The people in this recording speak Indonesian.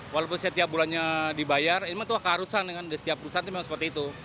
walaupun setiap bulannya dibayar ini memang keharusan di setiap perusahaan memang seperti itu